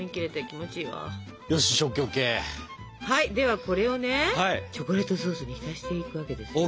はいではこれをねチョコレートソースに浸していくわけですよ。